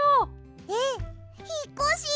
えっひっこし？